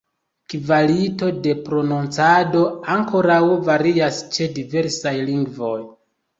Kvalito de prononcado ankoraŭ varias ĉe diversaj lingvoj.